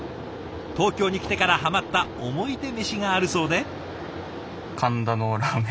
東京に来てからハマったおもいでメシがあるそうで。